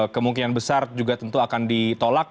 kemungkinan besar juga tentu akan ditolak